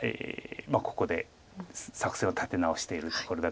ここで作戦を立て直しているところだと思います。